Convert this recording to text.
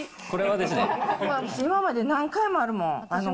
こんなん今まで何回もあるもん。